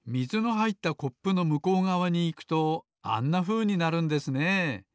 はいったコップのむこうがわにいくとあんなふうになるんですねえ。